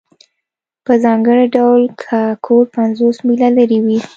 په ځانګړي ډول که کور پنځوس میله لرې وي